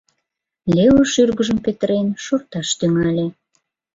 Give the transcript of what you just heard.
Лео шӱргыжым петырен шорташ тӱҥале.